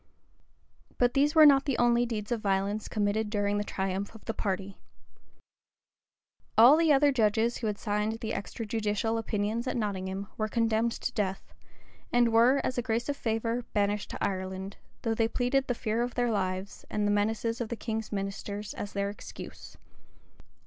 But these were not the only deeds of violence committed during the triumph of the party. All the other judges who had signed the extrajudicial opinions at Nottingham, were condemned to death, and were, as a grace or favor, banished to Ireland; though they pleaded the fear of their lives, and the menaces of the king's ministers as their excuse.